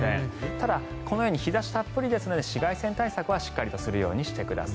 ただ、このように日差したっぷりですので紫外線対策はしっかりとするようにしてください。